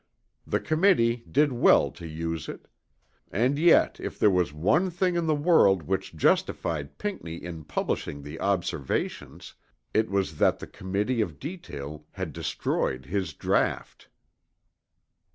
The Committee did well to use it. And yet if there was one thing in the world which justified Pinckney in publishing the Observations, it was that the Committee of Detail had destroyed his draught.